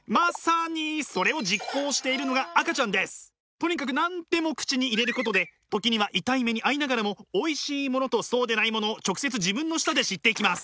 とにかく何でも口に入れることで時には痛い目に遭いながらもおいしいものとそうでないものを直接自分の舌で知っていきます。